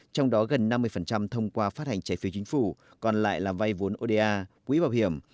trong đó gần năm mươi thông qua phát hành trái phiếu chính phủ còn lại là vay vốn oda quỹ bảo hiểm